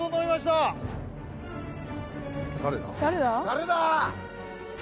誰だ？